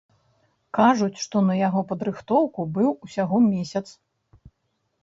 Кажуць, што на яго падрыхтоўку быў усяго месяц.